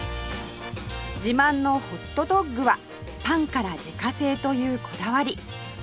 自慢のホットドッグはパンから自家製というこだわり